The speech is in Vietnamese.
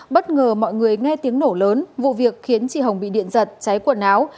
bất ngờ mọi người nghe tiếng nổ lớn vụ việc khiến chị hồng bị điện giật cháy quần áo